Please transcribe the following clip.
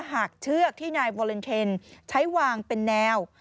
หากเชือกที่นายวอเลนเทนใช้วางเป็นแนว